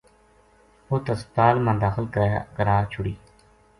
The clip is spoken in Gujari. اُت ہسپتال ما داخل کرائی چھُڑی